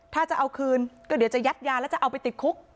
ถ้าจะเอาคืนก็เดี๋ยวจะยัดยาแล้วจะเอาไปติดคุก